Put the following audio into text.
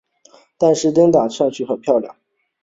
但是灯打上去很漂亮